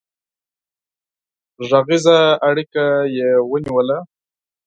غږيزه اړيکه يې ونيوله